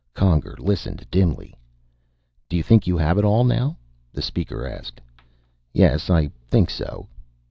Conger listened dimly. "Do you think you have it all now?" the Speaker asked. "Yes. I think so."